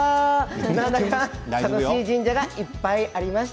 なんだか楽しい神社がいっぱいありました。